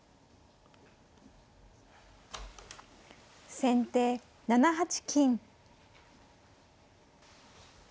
先手７八金。